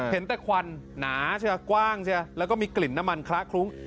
เห็นแต่ควันหนาใช่ไหมกว้างใช่ไหมแล้วก็มีกลิ่นน้ำมันคละคลุ้ง